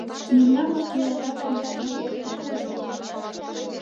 — Мемнамак йӱлатат да мыланнак кошташ перна...